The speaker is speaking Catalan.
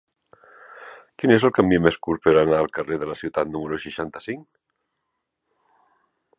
Quin és el camí més curt per anar al carrer de la Ciutat número seixanta-cinc?